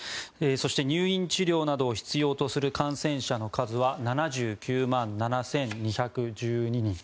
そして、入院治療などを必要とする感染者の数は７９万７２１２人。